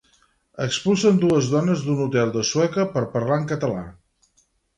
Expulsen dues dones d'un hotel de Sueca per parlar en català